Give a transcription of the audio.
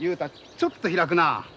ちょっと開くな。